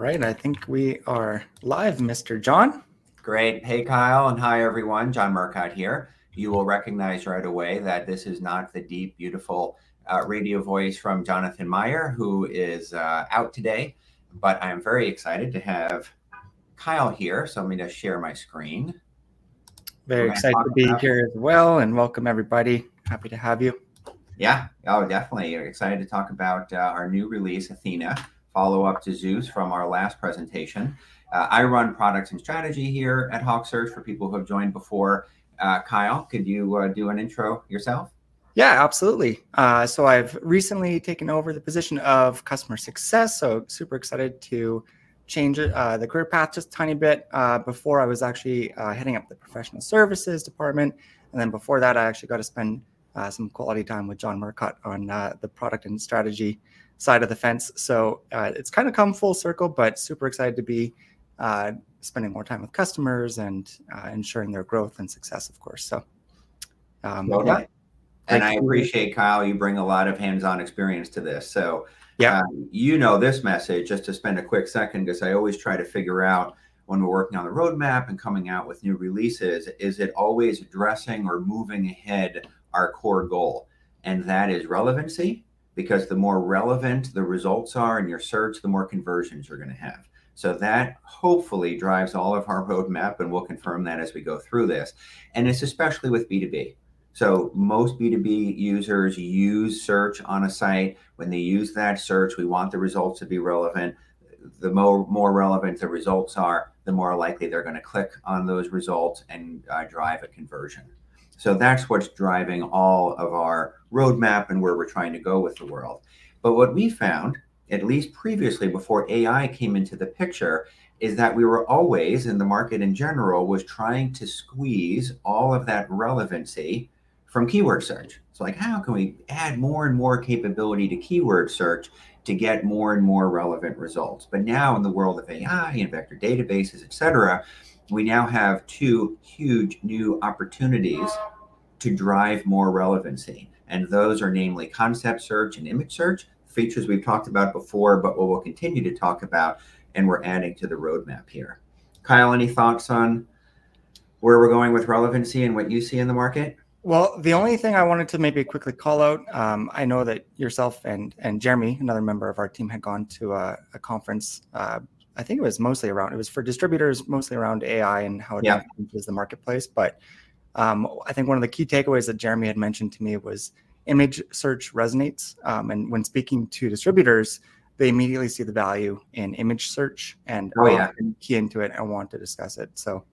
All right, I think we are live, Mr. John. Great. Hey, Kyle, and hi, everyone. John Murcott here. You will recognize right away that this is not the deep, beautiful radio voice from Jonathan Meyer, who is out today. But I am very excited to have Kyle here, so let me just share my screen. Very excited to be here as well, and welcome, everybody. Happy to have you. Yeah, I'm definitely excited to talk about our new release, Athena, follow-up to Zeus from our last presentation. I run product and strategy here at HawkSearch for people who have joined before. Kyle, could you do an intro yourself? Yeah, absolutely. So I've recently taken over the position of Customer Success, so super excited to change the career path just a tiny bit. Before, I was actually heading up the Professional Services Department. And then before that, I actually got to spend some quality time with John Murcott on the product and strategy side of the fence. So it's kind of come full circle, but super excited to be spending more time with customers and ensuring their growth and success, of course. I appreciate, Kyle, you bring a lot of hands-on experience to this. You know this message, just to spend a quick second, because I always try to figure out when we're working on the roadmap and coming out with new releases, is it always addressing or moving ahead our core goal? That is relevancy, because the more relevant the results are in your search, the more conversions you're going to have. That hopefully drives all of our roadmap, and we'll confirm that as we go through this. It's especially with B2B. Most B2B users use search on a site. When they use that search, we want the results to be relevant. The more relevant the results are, the more likely they're going to click on those results and drive a conversion. So that's what's driving all of our roadmap and where we're trying to go with the world. But what we found, at least previously, before AI came into the picture, is that we were always, and the market in general, was trying to squeeze all of that relevancy from keyword search. It's like, how can we add more and more capability to keyword search to get more and more relevant results? But now, in the world of AI and vector databases, et cetera, we now have two huge new opportunities to drive more relevancy. And those are namely Concept Search and Image Search, features we've talked about before, but what we'll continue to talk about, and we're adding to the roadmap here. Kyle, any thoughts on where we're going with relevancy and what you see in the market? Well, the only thing I wanted to maybe quickly call out, I know that yourself and Jeremy, another member of our team, had gone to a conference. I think it was mostly around it was for distributors, mostly around AI and how it influences the marketplace. But I think one of the key takeaways that Jeremy had mentioned to me was image search resonates. And when speaking to distributors, they immediately see the value in image search and are key into it and want to discuss it. So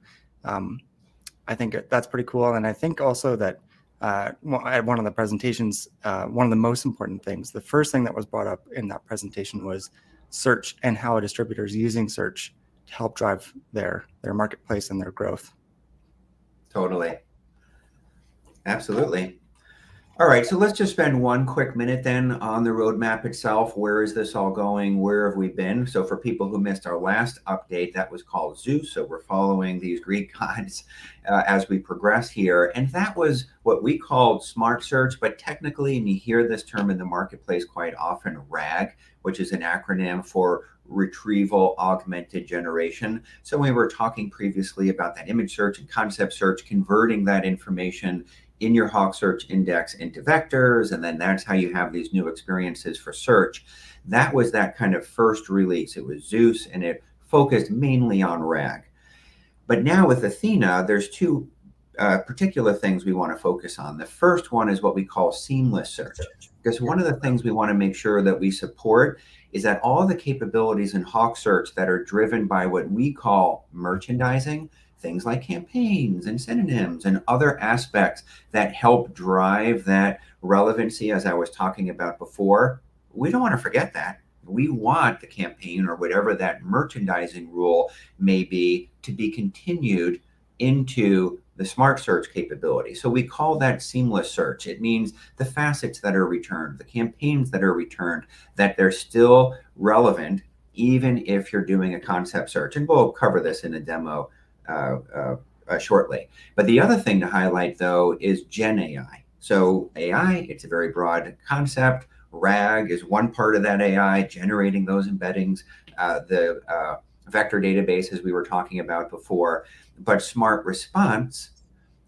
I think that's pretty cool. And I think also that at one of the presentations, one of the most important things, the first thing that was brought up in that presentation was search and how distributors are using search to help drive their marketplace and their growth. Totally. Absolutely. All right, so let's just spend one quick minute then on the roadmap itself. Where is this all going? Where have we been? So for people who missed our last update, that was called Zeus. So we're following these Greek gods as we progress here. And that was what we called Smart Search. But technically, you hear this term in the marketplace quite often, RAG, which is an acronym for Retrieval Augmented Generation. So we were talking previously about that Image Search and Concept Search, converting that information in your HawkSearch index into vectors. And then that's how you have these new experiences for search. That was that kind of first release. It was Zeus, and it focused mainly on RAG. But now with Athena, there's two particular things we want to focus on. The first one is what we call Seamless Search. Because one of the things we want to make sure that we support is that all the capabilities in HawkSearch that are driven by what we call merchandising, things like campaigns and synonyms and other aspects that help drive that relevancy, as I was talking about before, we don't want to forget that. We want the campaign or whatever that merchandising rule may be to be continued into the smart search capability. So we call that seamless search. It means the facets that are returned, the campaigns that are returned, that they're still relevant even if you're doing a concept search. And we'll cover this in a demo shortly. But the other thing to highlight, though, is Gen AI. So AI, it's a very broad concept. RAG is one part of that AI, generating those embeddings, the vector databases we were talking about before. But Smart Response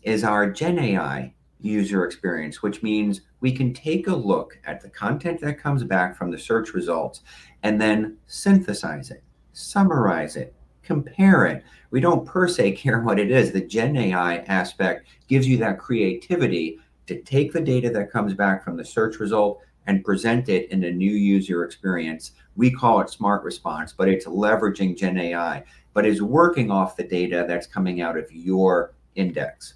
is our Gen AI user experience, which means we can take a look at the content that comes back from the search results and then synthesize it, summarize it, compare it. We don't per se care what it is. The Gen AI aspect gives you that creativity to take the data that comes back from the search result and present it in a new user experience. We call it Smart Response, but it's leveraging Gen AI, but it's working off the data that's coming out of your index.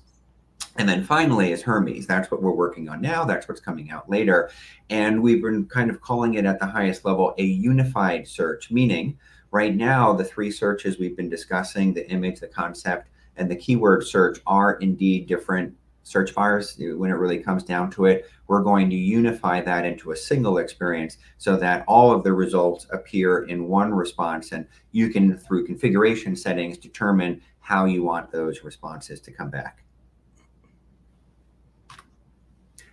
And then finally, as Hermes, that's what we're working on now. That's what's coming out later. And we've been kind of calling it at the highest level a unified search, meaning right now, the three searches we've been discussing, the Image, the Concept, and the Keyword Search are indeed different search bars. When it really comes down to it, we're going to unify that into a single experience so that all of the results appear in one response. You can, through configuration settings, determine how you want those responses to come back.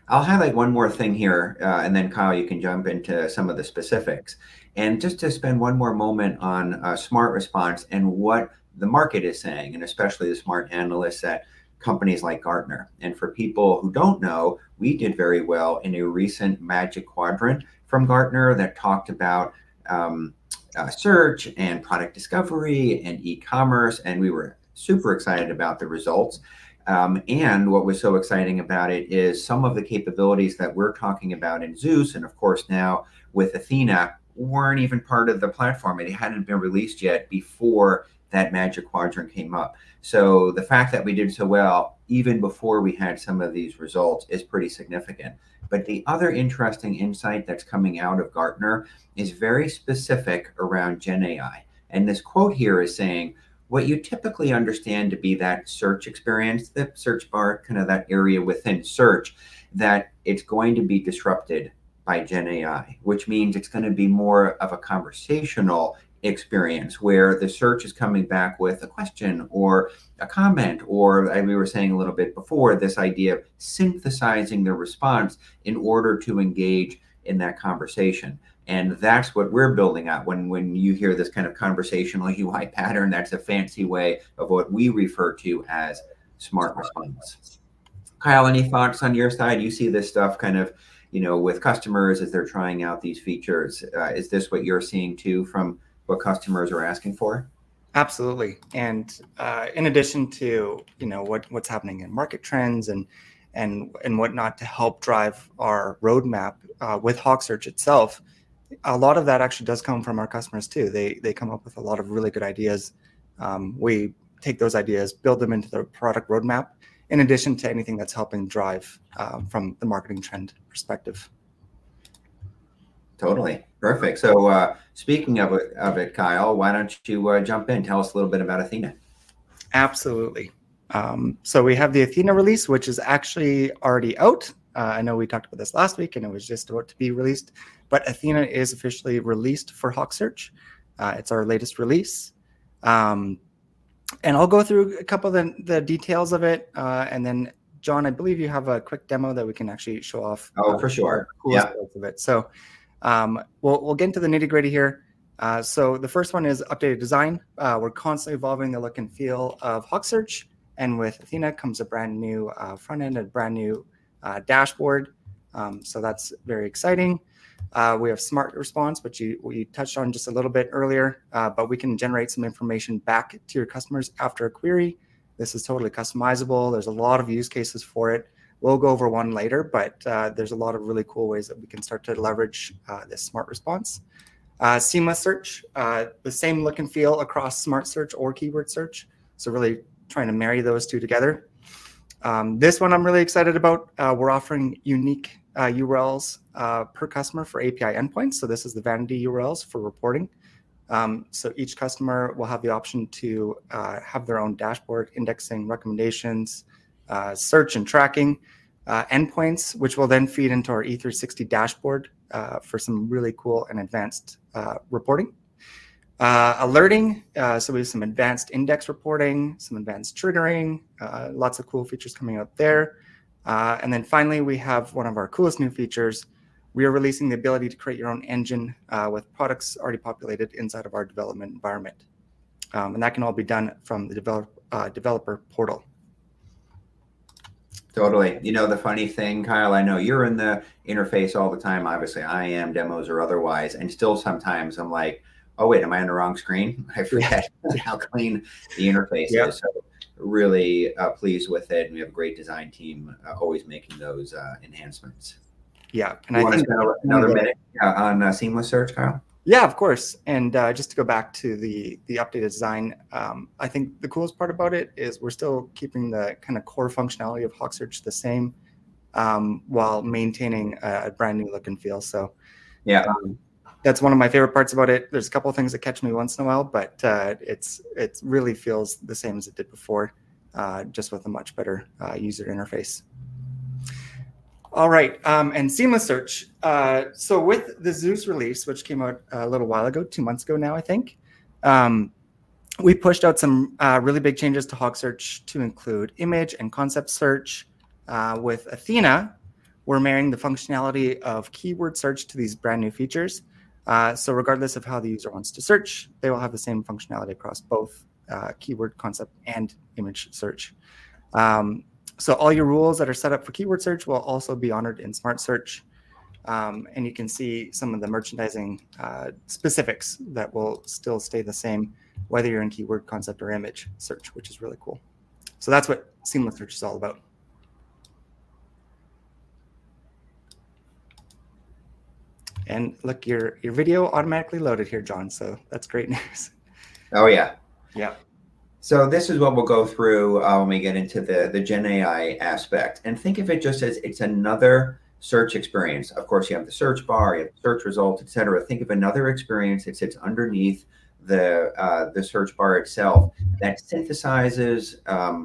I'll highlight one more thing here, and then Kyle, you can jump into some of the specifics. Just to spend one more moment on Smart Response and what the market is saying, and especially the smart analysts at companies like Gartner. For people who don't know, we did very well in a recent Magic Quadrant from Gartner that talked about search and product discovery and e-commerce. We were super excited about the results. What was so exciting about it is some of the capabilities that we're talking about in Zeus, and of course, now with Athena, weren't even part of the platform. It hadn't been released yet before that Magic Quadrant came up. So the fact that we did so well even before we had some of these results is pretty significant. But the other interesting insight that's coming out of Gartner is very specific around Gen AI. And this quote here is saying, what you typically understand to be that search experience, the search bar, kind of that area within search, that it's going to be disrupted by Gen AI, which means it's going to be more of a conversational experience where the search is coming back with a question or a comment. Or, as we were saying a little bit before, this idea of synthesizing the response in order to engage in that conversation. And that's what we're building out. When you hear this kind of conversational UI pattern, that's a fancy way of what we refer to as smart response. Kyle, any thoughts on your side? You see this stuff kind of with customers as they're trying out these features. Is this what you're seeing too from what customers are asking for? Absolutely. In addition to what's happening in market trends and whatnot to help drive our roadmap with HawkSearch itself, a lot of that actually does come from our customers too. They come up with a lot of really good ideas. We take those ideas, build them into the product roadmap, in addition to anything that's helping drive from the marketing trend perspective. Totally. Perfect. Speaking of it, Kyle, why don't you jump in? Tell us a little bit about Athena. Absolutely. So we have the Athena release, which is actually already out. I know we talked about this last week, and it was just about to be released. But Athena is officially released for HawkSearch. It's our latest release. And I'll go through a couple of the details of it. And then, John, I believe you have a quick demo that we can actually show off. Oh, for sure. Yeah. So we'll get into the nitty-gritty here. So the first one is updated design. We're constantly evolving the look and feel of HawkSearch. And with Athena comes a brand new front end and brand new dashboard. So that's very exciting. We have Smart Response, which you touched on just a little bit earlier. But we can generate some information back to your customers after a query. This is totally customizable. There's a lot of use cases for it. We'll go over one later. But there's a lot of really cool ways that we can start to leverage this Smart Response. Seamless Search, the same look and feel across Smart Search or Keyword Search. So really trying to marry those two together. This one I'm really excited about. We're offering unique URLs per customer for API endpoints. So this is the vanity URLs for reporting. So each customer will have the option to have their own dashboard indexing recommendations, search and tracking endpoints, which will then feed into our E360 dashboard for some really cool and advanced reporting. Alerting, so we have some advanced index reporting, some advanced triggering, lots of cool features coming out there. Then finally, we have one of our coolest new features. We are releasing the ability to create your own engine with products already populated inside of our development environment. That can all be done from the developer portal. Totally. You know the funny thing, Kyle, I know you're in the interface all the time, obviously, IM demos or otherwise. And still sometimes I'm like, oh, wait, am I on the wrong screen? I forget how clean the interface is. So really pleased with it. And we have a great design team always making those enhancements. Yeah. You want to spend another minute on seamless search, Kyle? Yeah, of course. And just to go back to the updated design, I think the coolest part about it is we're still keeping the kind of core functionality of HawkSearch the same while maintaining a brand new look and feel. So that's one of my favorite parts about it. There's a couple of things that catch me once in a while, but it really feels the same as it did before, just with a much better user interface. All right, and seamless search. So with the Zeus release, which came out a little while ago, two months ago now, I think, we pushed out some really big changes to HawkSearch to include image and concept search. With Athena, we're marrying the functionality of keyword search to these brand new features. So regardless of how the user wants to search, they will have the same functionality across both keyword, concept, and image search. So all your rules that are set up for keyword search will also be honored in smart search. And you can see some of the merchandising specifics that will still stay the same, whether you're in keyword, concept, or image search, which is really cool. So that's what seamless search is all about. And look, your video automatically loaded here, John. So that's great news. Oh, yeah. Yeah. So this is what we'll go through when we get into the Gen AI aspect. Think of it just as it's another search experience. Of course, you have the search bar, you have the search results, et cetera. Think of another experience that sits underneath the search bar itself that synthesizes,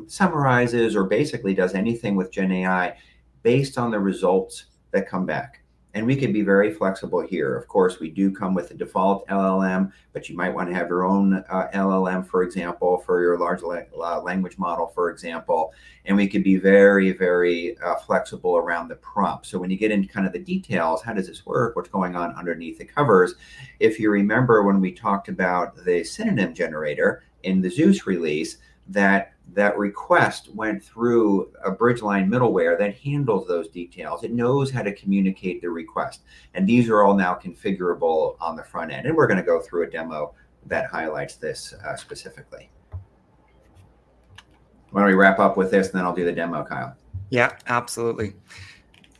summarizes, or basically does anything with Gen AI based on the results that come back. We can be very flexible here. Of course, we do come with a default LLM, but you might want to have your own LLM, for example, for your large language model, for example. We can be very, very flexible around the prompt. When you get into kind of the details, how does this work? What's going on underneath the covers? If you remember when we talked about the synonym generator in the Zeus release, that request went through a Bridgeline middleware that handles those details. It knows how to communicate the request. These are all now configurable on the front end. We're going to go through a demo that highlights this specifically. Why don't we wrap up with this, and then I'll do the demo, Kyle? Yeah, absolutely.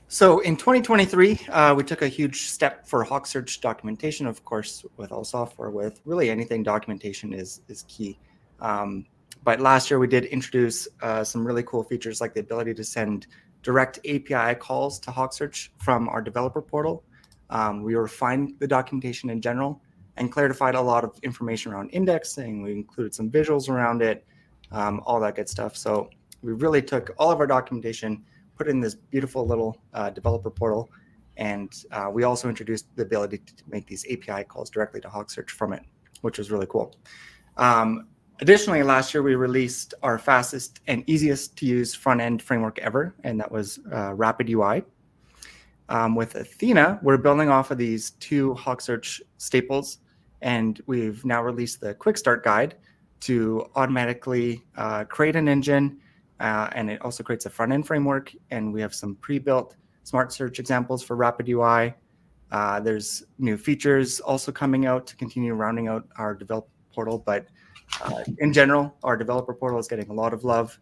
So in 2023, we took a huge step for HawkSearch documentation, of course, with all software, with really anything documentation is key. But last year, we did introduce some really cool features like the ability to send direct API calls to HawkSearch from our developer portal. We refined the documentation in general and clarified a lot of information around indexing. We included some visuals around it, all that good stuff. So we really took all of our documentation, put it in this beautiful little developer portal. And we also introduced the ability to make these API calls directly to HawkSearch from it, which was really cool. Additionally, last year, we released our fastest and easiest to use front end framework ever. And that was RapidUI. With Athena, we're building off of these two HawkSearch staples. And we've now released the Quick Start Guide to automatically create an engine. It also creates a front end framework. We have some pre-built smart search examples for RapidUI. There's new features also coming out to continue rounding out our developer portal. But in general, our developer portal is getting a lot of love.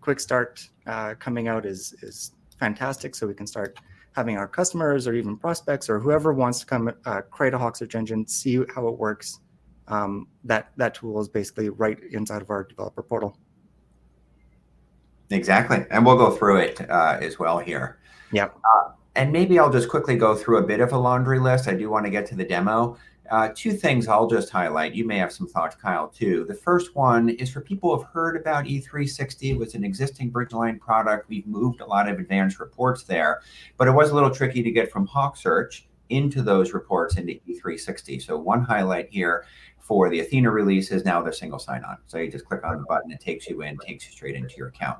Quick Start coming out is fantastic. We can start having our customers or even prospects or whoever wants to come create a HawkSearch engine, see how it works. That tool is basically right inside of our developer portal. Exactly. We'll go through it as well here. Yeah. Maybe I'll just quickly go through a bit of a laundry list. I do want to get to the demo. Two things I'll just highlight. You may have some thoughts, Kyle, too. The first one is for people who have heard about E360. It was an existing Bridgeline product. We've moved a lot of advanced reports there. But it was a little tricky to get from HawkSearch into those reports into E360. One highlight here for the Athena release is now the single sign-on. You just click on the button. It takes you in, takes you straight into your account.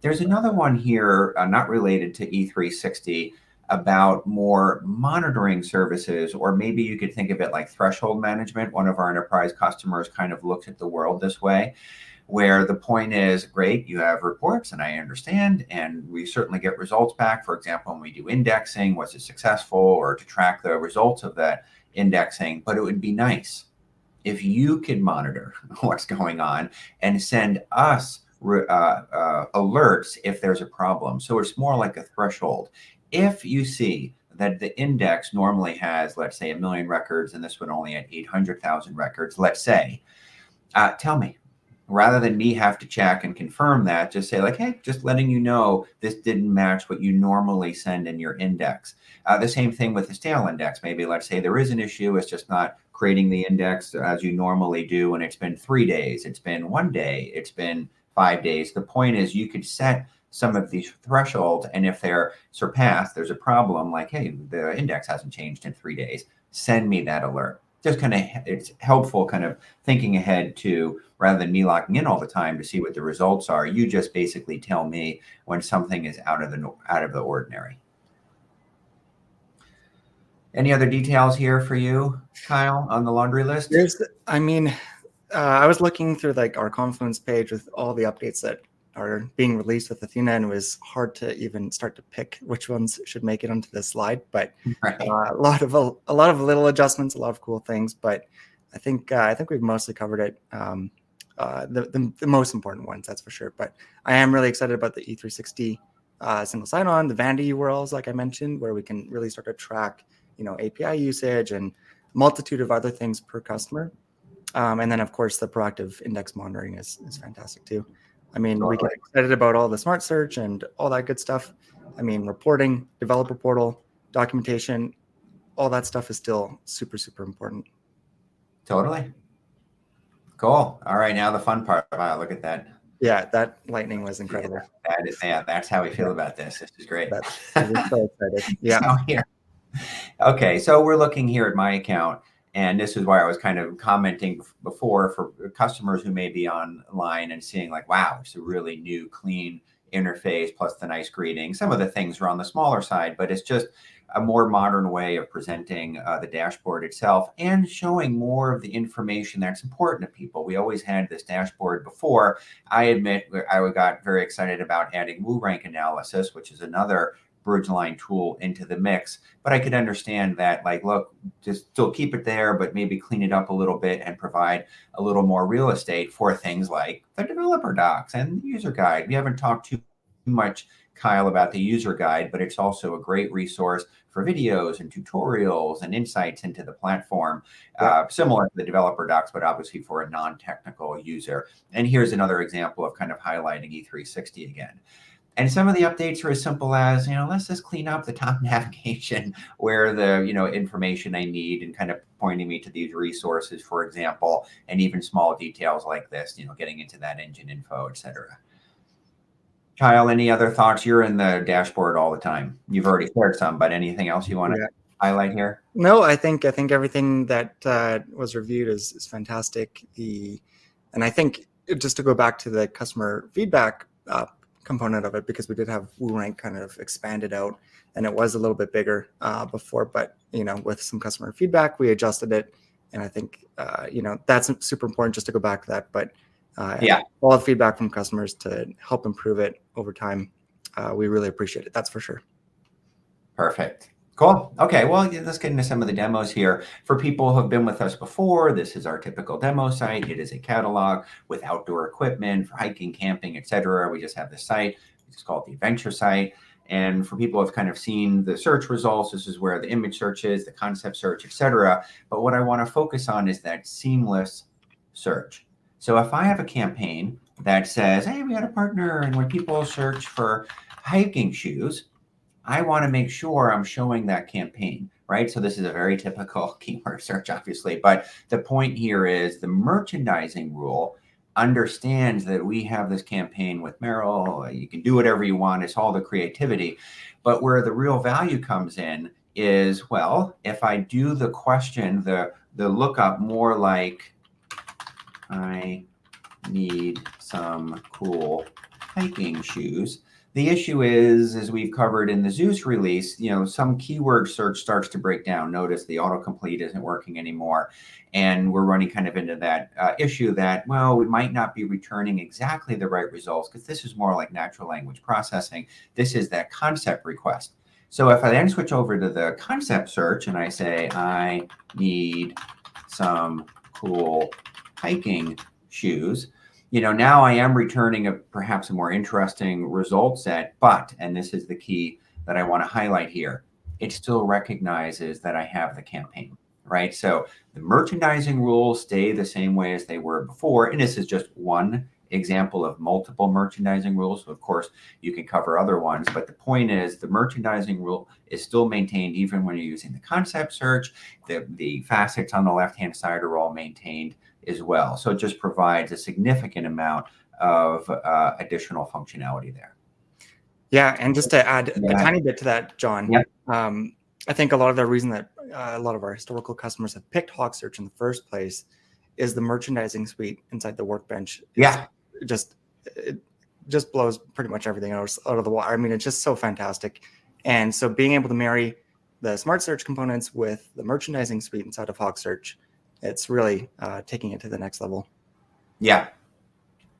There's another one here, not related to E360, about more monitoring services. Or maybe you could think of it like threshold management. One of our enterprise customers kind of looks at the world this way, where the point is, great, you have reports. I understand. We certainly get results back. For example, when we do indexing, was it successful or to track the results of that indexing. But it would be nice if you could monitor what's going on and send us alerts if there's a problem. So it's more like a threshold. If you see that the index normally has, let's say, 1 million records, and this one only had 800,000 records, let's say, tell me. Rather than me have to check and confirm that, just say like, hey, just letting you know this didn't match what you normally send in your index. The same thing with the stale index. Maybe, let's say, there is an issue. It's just not creating the index as you normally do. And it's been three days. It's been one day. It's been five days. The point is you could set some of these thresholds. If they're surpassed, there's a problem. Like, hey, the index hasn't changed in three days. Send me that alert. Just kind of it's helpful kind of thinking ahead to, rather than me locking in all the time to see what the results are, you just basically tell me when something is out of the ordinary. Any other details here for you, Kyle, on the laundry list? I mean, I was looking through our Confluence page with all the updates that are being released with Athena. It was hard to even start to pick which ones should make it onto this slide. A lot of little adjustments, a lot of cool things. I think we've mostly covered the most important ones, that's for sure. I am really excited about the E360 single sign-on, the vanity URLs, like I mentioned, where we can really start to track API usage and a multitude of other things per customer. Then, of course, the proactive index monitoring is fantastic too. I mean, we get excited about all the Smart Search and all that good stuff. I mean, reporting, developer portal, documentation, all that stuff is still super, super important. Totally. Cool. All right, now the fun part. Wow, look at that. Yeah, that lightning was incredible. Yeah, that's how we feel about this. This is great. I'm so excited. Yeah. OK, so we're looking here at my account. This is why I was kind of commenting before for customers who may be online and seeing like, wow, it's a really new, clean interface, plus the nice greeting. Some of the things are on the smaller side. It's just a more modern way of presenting the dashboard itself and showing more of the information that's important to people. We always had this dashboard before. I admit I got very excited about adding WooRank analysis, which is another Bridgeline tool into the mix. I could understand that, like, look, just still keep it there, but maybe clean it up a little bit and provide a little more real estate for things like the developer docs and the user guide. We haven't talked too much, Kyle, about the user guide. But it's also a great resource for videos and tutorials and insights into the platform, similar to the developer docs, but obviously for a non-technical user. Here's another example of kind of highlighting E360 again. Some of the updates are as simple as, you know, let's just clean up the top navigation where the information I need and kind of pointing me to these resources, for example, and even small details like this, you know, getting into that engine info, et cetera. Kyle, any other thoughts? You're in the dashboard all the time. You've already shared some. Anything else you want to highlight here? No, I think everything that was reviewed is fantastic. And I think just to go back to the customer feedback component of it, because we did have WooRank kind of expanded out. And it was a little bit bigger before. But with some customer feedback, we adjusted it. And I think that's super important just to go back to that. But all the feedback from customers to help improve it over time, we really appreciate it. That's for sure. Perfect. Cool. OK, well, let's get into some of the demos here. For people who have been with us before, this is our typical demo site. It is a catalog with outdoor equipment for hiking, camping, et cetera. We just have the site. We just call it the Adventure site. And for people who have kind of seen the search results, this is where the image search is, the concept search, et cetera. But what I want to focus on is that seamless search. So if I have a campaign that says, hey, we had a partner. And when people search for hiking shoes, I want to make sure I'm showing that campaign. So this is a very typical keyword search, obviously. But the point here is the merchandising rule understands that we have this campaign with Merrell. You can do whatever you want. It's all the creativity. But where the real value comes in is, well, if I do the question, the lookup more like, I need some cool hiking shoes. The issue is, as we've covered in the Zeus release, some keyword search starts to break down. Notice the autocomplete isn't working anymore. We're running kind of into that issue that, well, we might not be returning exactly the right results, because this is more like natural language processing. This is that concept search. So if I then switch over to the concept search and I say, I need some cool hiking shoes, now I am returning perhaps a more interesting result set. But, and this is the key that I want to highlight here, it still recognizes that I have the campaign. So the merchandising rules stay the same way as they were before. And this is just one example of multiple merchandising rules. Of course, you can cover other ones. But the point is the merchandising rule is still maintained even when you're using the concept search. The facets on the left-hand side are all maintained as well. So it just provides a significant amount of additional functionality there. Yeah, and just to add a tiny bit to that, John, I think a lot of the reason that a lot of our historical customers have picked HawkSearch in the first place is the merchandising suite inside the Workbench. Yeah. Just blows pretty much everything out of the water. I mean, it's just so fantastic. And so being able to marry the smart search components with the merchandising suite inside of HawkSearch, it's really taking it to the next level. Yeah.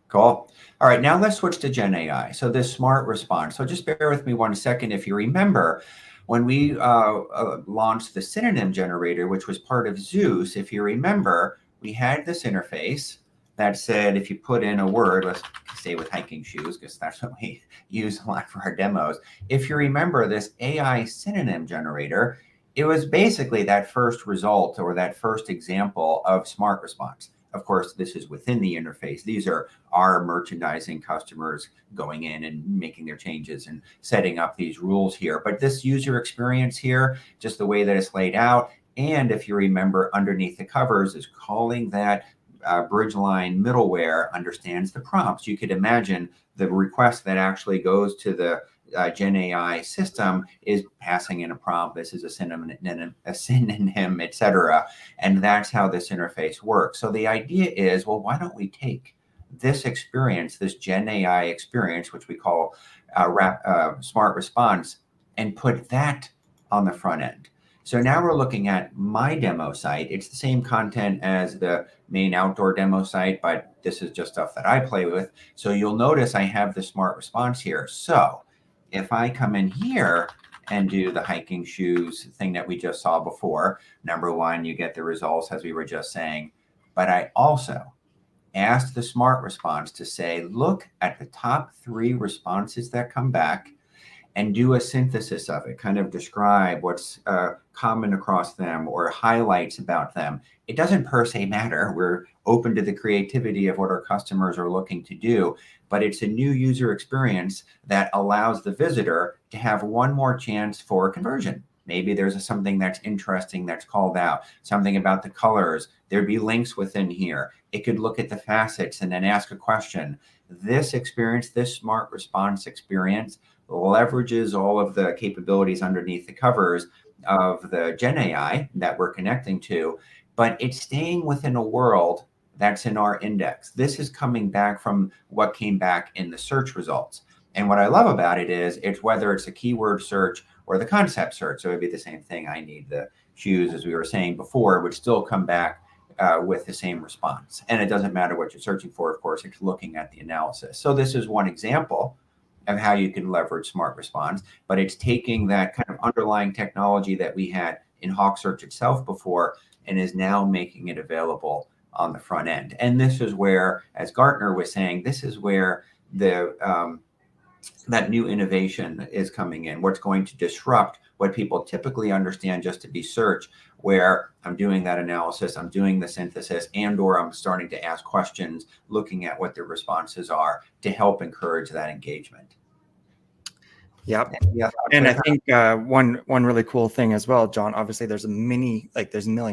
Cool. All right, now let's switch to Gen AI. So this smart response. So just bear with me one second. If you remember, when we launched the synonym generator, which was part of Zeus, if you remember, we had this interface that said, if you put in a word, let's stay with hiking shoes, because that's what we use a lot for our demos. If you remember this AI synonym generator, it was basically that first result or that first example of smart response. Of course, this is within the interface. These are our merchandising customers going in and making their changes and setting up these rules here. But this user experience here, just the way that it's laid out, and if you remember, underneath the covers is calling that Bridgeline middleware understands the prompts. You could imagine the request that actually goes to the Gen AI system is passing in a prompt. This is a synonym, et cetera. And that's how this interface works. So the idea is, well, why don't we take this experience, this Gen AI experience, which we call Smart Response, and put that on the front end? So now we're looking at my demo site. It's the same content as the main outdoor demo site. But this is just stuff that I play with. So you'll notice I have the Smart Response here. So if I come in here and do the hiking shoes thing that we just saw before, number one, you get the results, as we were just saying. But I also asked the Smart Response to say, look at the top three responses that come back and do a synthesis of it, kind of describe what's common across them or highlights about them. It doesn't per se matter. We're open to the creativity of what our customers are looking to do. But it's a new user experience that allows the visitor to have one more chance for a conversion. Maybe there's something that's interesting that's called out, something about the colors. There'd be links within here. It could look at the facets and then ask a question. This experience, this Smart Response experience, leverages all of the capabilities underneath the covers of the Gen AI that we're connecting to. But it's staying within a world that's in our index. This is coming back from what came back in the search results. What I love about it is it's whether it's a Keyword Search or the Concept Search. So it'd be the same thing. I need the shoes, as we were saying before, would still come back with the same response. It doesn't matter what you're searching for, of course. It's looking at the analysis. This is one example of how you can leverage Smart Response. It's taking that kind of underlying technology that we had in HawkSearch itself before and is now making it available on the front end. This is where, as Gartner was saying, this is where that new innovation is coming in, what's going to disrupt what people typically understand just to be search, where I'm doing that analysis. I'm doing the synthesis. And/or I'm starting to ask questions, looking at what the responses are to help encourage that engagement. Yep. And I think one really cool thing as well, John, obviously there's a million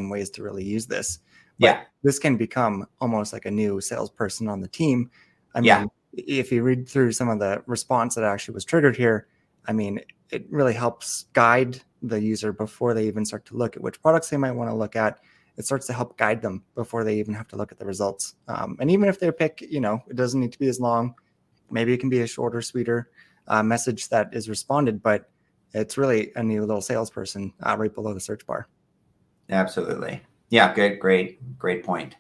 ways to really use this. But this can become almost like a new salesperson on the team. I mean, if you read through some of the response that actually was triggered here, I mean, it really helps guide the user before they even start to look at which products they might want to look at. It starts to help guide them before they even have to look at the results. And even if they pick, it doesn't need to be as long. Maybe it can be a shorter, sweeter message that is responded. But it's really a new little salesperson right below the search bar. Absolutely. Yeah, great, great point.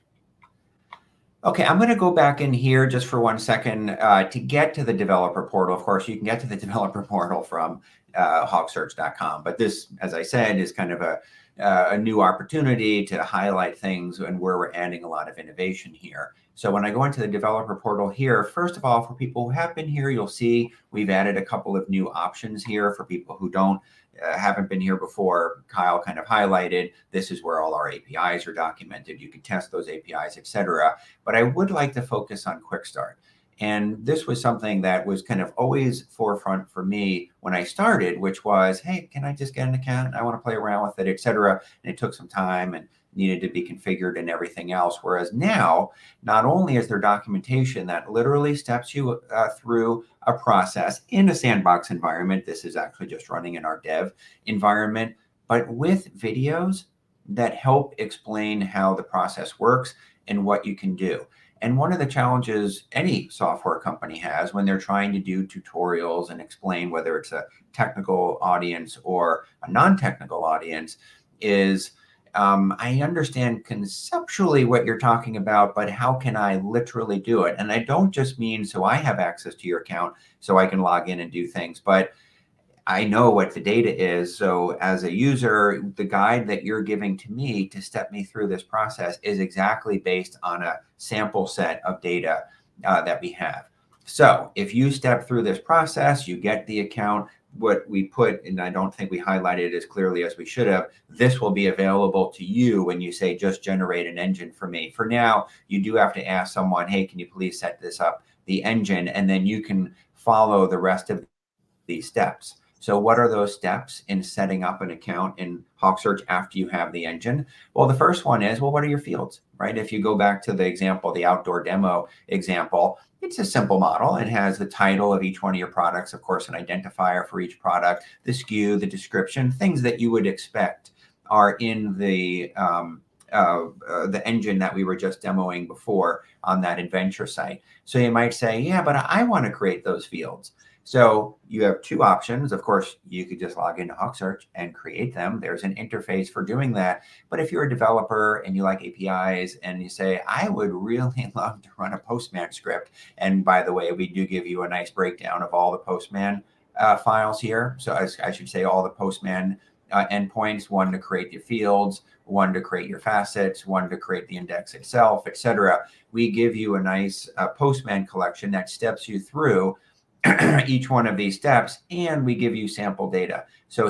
OK, I'm going to go back in here just for one second to get to the developer portal. Of course, you can get to the developer portal from HawkSearch.com. But this, as I said, is kind of a new opportunity to highlight things and where we're adding a lot of innovation here. So when I go into the developer portal here, first of all, for people who have been here, you'll see we've added a couple of new options here for people who haven't been here before. Kyle kind of highlighted this is where all our APIs are documented. You can test those APIs, et cetera. But I would like to focus on Quick Start. And this was something that was kind of always forefront for me when I started, which was, hey, can I just get an account? I want to play around with it, et cetera. It took some time and needed to be configured and everything else. Whereas now, not only is there documentation that literally steps you through a process in a sandbox environment, this is actually just running in our dev environment, but with videos that help explain how the process works and what you can do. One of the challenges any software company has when they're trying to do tutorials and explain, whether it's a technical audience or a non-technical audience, is I understand conceptually what you're talking about. But how can I literally do it? I don't just mean, so I have access to your account so I can log in and do things. But I know what the data is. So as a user, the guide that you're giving to me to step me through this process is exactly based on a sample set of data that we have. So if you step through this process, you get the account. What we put, and I don't think we highlighted it as clearly as we should have, this will be available to you when you say, just generate an engine for me. For now, you do have to ask someone, hey, can you please set this up, the engine? And then you can follow the rest of these steps. So what are those steps in setting up an account in HawkSearch after you have the engine? Well, the first one is, well, what are your fields? If you go back to the example, the outdoor demo example, it's a simple model. It has the title of each one of your products, of course, an identifier for each product, the SKU, the description, things that you would expect are in the engine that we were just demoing before on that Adventure site. So you might say, yeah, but I want to create those fields. So you have two options. Of course, you could just log into HawkSearch and create them. There's an interface for doing that. But if you're a developer and you like APIs and you say, I would really love to run a Postman script. And by the way, we do give you a nice breakdown of all the Postman files here. So I should say all the Postman endpoints, one to create your fields, one to create your facets, one to create the index itself, et cetera. We give you a nice Postman collection that steps you through each one of these steps. We give you sample data.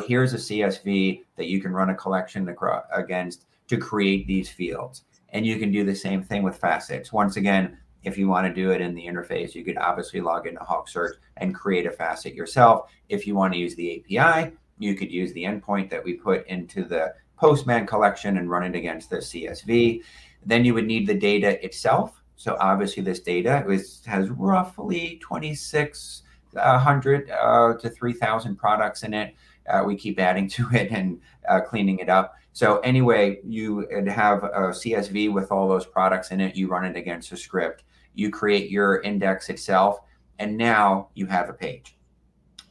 Here's a CSV that you can run a collection against to create these fields. You can do the same thing with facets. Once again, if you want to do it in the interface, you could obviously log into HawkSearch and create a facet yourself. If you want to use the API, you could use the endpoint that we put into the Postman collection and run it against the CSV. Then you would need the data itself. Obviously, this data has roughly 2,600-3,000 products in it. We keep adding to it and cleaning it up. Anyway, you have a CSV with all those products in it. You run it against a script. You create your index itself. Now you have a page.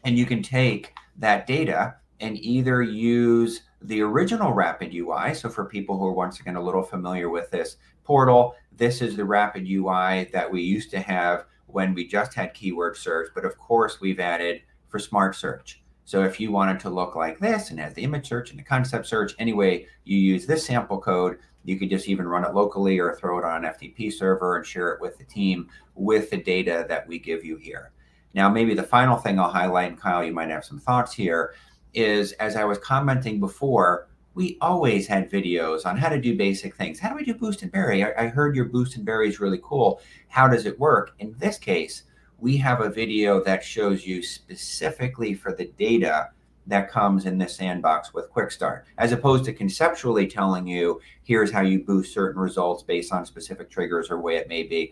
You can take that data and either use the original RapidUI. For people who are once again a little familiar with this portal, this is the RapidUI that we used to have when we just had keyword search. Of course, we've added for smart search. If you want it to look like this and have the image search and the concept search, anyway, you use this sample code. You could just even run it locally or throw it on an FTP server and share it with the team with the data that we give you here. Now, maybe the final thing I'll highlight, and Kyle, you might have some thoughts here, is as I was commenting before, we always had videos on how to do basic things. How do we do boost and bury? I heard your boost and bury is really cool. How does it work? In this case, we have a video that shows you specifically for the data that comes in the sandbox with Quick Start, as opposed to conceptually telling you, here's how you boost certain results based on specific triggers or what it may be.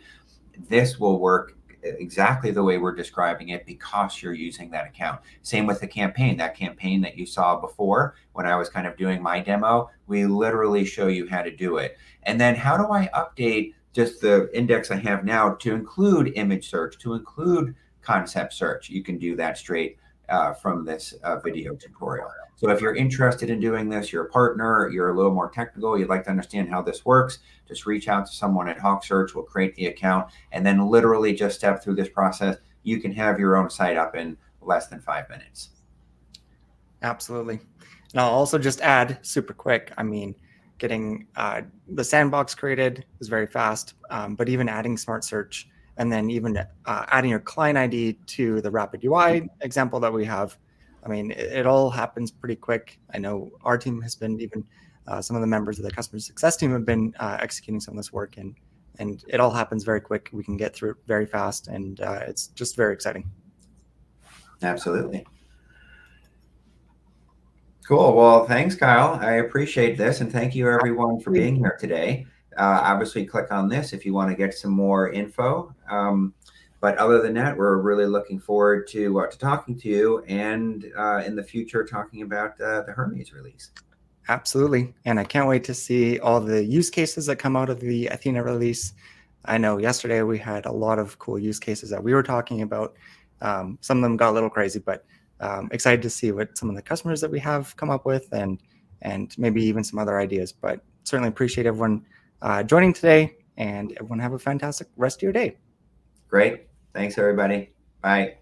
This will work exactly the way we're describing it because you're using that account. Same with the campaign. That campaign that you saw before when I was kind of doing my demo, we literally show you how to do it. And then how do I update just the index I have now to include image search, to include concept search? You can do that straight from this video tutorial. So if you're interested in doing this, you're a partner, you're a little more technical, you'd like to understand how this works, just reach out to someone at HawkSearch. We'll create the account. And then literally just step through this process. You can have your own site up in less than five minutes. Absolutely. And I'll also just add super quick. I mean, getting the sandbox created is very fast. But even adding Smart Search and then even adding your client ID to the RapidUI example that we have, I mean, it all happens pretty quick. I know our team has been, even some of the members of the customer success team, have been executing some of this work. And it all happens very quick. We can get through it very fast. And it's just very exciting. Absolutely. Cool. Well, thanks, Kyle. I appreciate this. Thank you, everyone, for being here today. Obviously, click on this if you want to get some more info. Other than that, we're really looking forward to talking to you and in the future talking about the Hermes release. Absolutely. I can't wait to see all the use cases that come out of the Athena release. I know yesterday we had a lot of cool use cases that we were talking about. Some of them got a little crazy. Excited to see what some of the customers that we have come up with and maybe even some other ideas. Certainly appreciate everyone joining today. Everyone have a fantastic rest of your day. Great. Thanks, everybody. Bye.